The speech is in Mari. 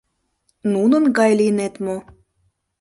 Нунын гай лийнет мо?